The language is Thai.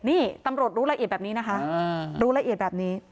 นี่ตำรวจรู้ละเอียดแบบนี้นะคะ